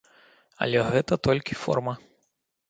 Але гэта толькі форма.